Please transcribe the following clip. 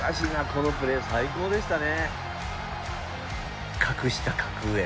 このプレー最高でしたね。